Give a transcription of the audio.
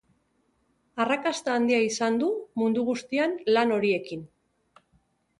Arrakasta handia izan du mundu guztian lan horiekin.